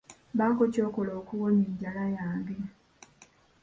Bako kyokola okuwonya enjala yange.